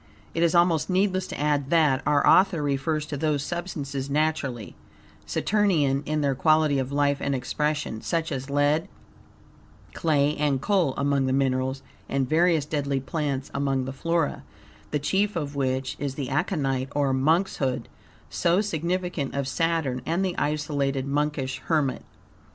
It is almost needless to add that, our author refers to those substances naturally Saturnine in their quality of life and expression, such as lead, clay, and coal, among the minerals, and various deadly plants among the flora, the chief of which is the aconite or monkshood, so significant of Saturn and the isolated, monkish hermit.